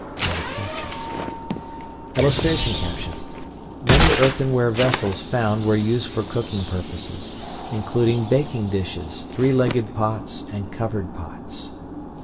] [Illustration: MANY EARTHENWARE VESSELS FOUND WERE USED FOR COOKING PURPOSES, INCLUDING BAKING DISHES, THREE LEGGED POTS, AND COVERED POTS.